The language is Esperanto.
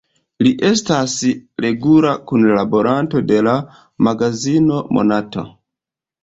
Li estas regula kunlaboranto de la magazino "Monato".